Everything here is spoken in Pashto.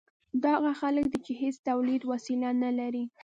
دا هغه خلک دي چې هیڅ تولیدي وسیله نلري.